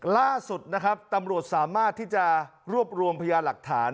ล่าสุดนะครับตำรวจสามารถที่จะรวบรวมพยาหลักฐาน